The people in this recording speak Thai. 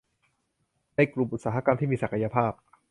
ในกลุ่มอุตสาหกรรมที่มีศักยภาพ